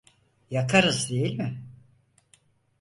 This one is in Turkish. Yakarız değil mi…